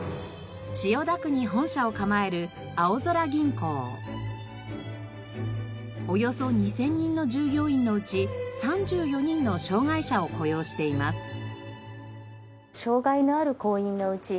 千代田区に本社を構えるおよそ２０００人の従業員のうち３４人の障がい者を雇用しています。